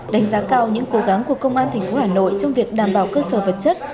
đánh giá cao những cố gắng của công an tp hà nội trong việc đảm bảo cơ sở vật chất